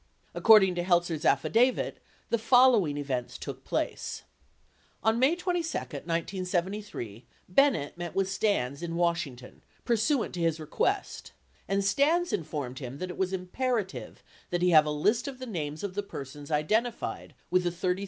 According to Helt zer's affidavit, the following events took place. On May 22, 1973, Bennett met with Stans in Washington pursuant to his request, and Stans informed him that it was imperative that he have a list of the names of the persons identified with the $30,000 contributions.